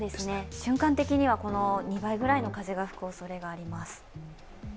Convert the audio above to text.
瞬間的にはこの２倍ぐらいの風が吹くおそれがあります。